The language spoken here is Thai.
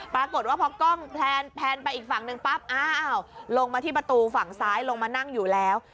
ปรากฏว่าพอกล้องแพลนไปอีกฝั่งหนึ่งปั๊บอ้าวลงมาที่ประตูฝั่งซ้ายลงมานั่งอยู่แล้ว